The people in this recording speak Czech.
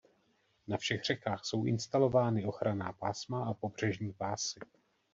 Na všech řekách jsou instalovány ochranná pásma a pobřežní pásy.